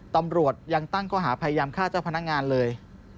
ตำรวจยังตั้งข้อหาพยายามฆ่าเจ้าพนักงานเลย